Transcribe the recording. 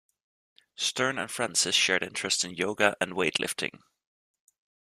Stearn and Francis shared interests in yoga and weightlifting.